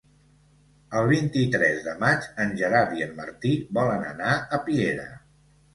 El vint-i-tres de maig en Gerard i en Martí volen anar a Piera.